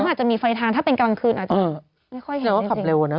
ว่ามีไฟทางถ้าเป็นกำลังคืนน่ะ